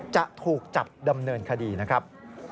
จะถูกจับดำเนินคดีนะครับ